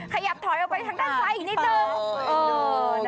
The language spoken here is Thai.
ขยับถอยออกไปทางด้านซ้ายอีกนิดนึง